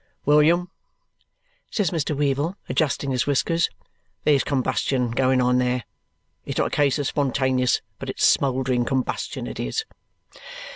"William," says Mr. Weevle, adjusting his whiskers, "there's combustion going on there! It's not a case of spontaneous, but it's smouldering combustion it is."